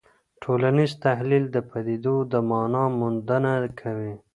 ټولنیز تحلیل د پدیدو د مانا موندنه کوي.